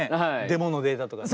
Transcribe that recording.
デモのデータとかね。